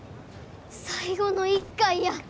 最後の一回や。